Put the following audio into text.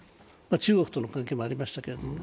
中国との関係もありましたけどね。